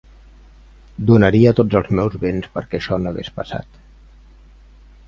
Donaria tots els meus béns perquè això no hagués passat!